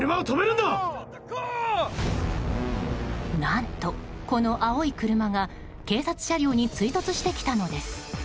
何と、この青い車が警察車両に追突してきたのです。